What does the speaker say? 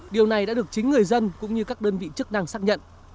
điều này đã được chính người dân cũng như các đơn vị chức năng xác nhận